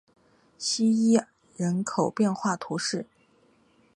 希伊人口变化图示